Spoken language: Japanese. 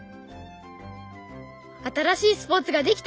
新しいスポーツが出来た！